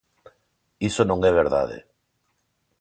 Iso non é verdade.